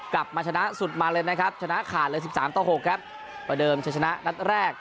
กลับมาชนะสุดมาเลยนะครับชนะขาดเลยสิบสามต่อหกครับประเดิมชัยชนะนัดแรก